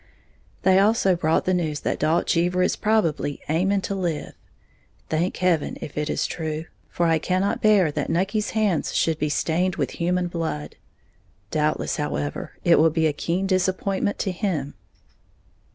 They also brought the news that Dalt Cheever is probably "aiming to live", thank heaven if it is true, for I cannot bear that Nucky's hands should be stained with human blood. Doubtless, however, it will be a keen disappointment to him.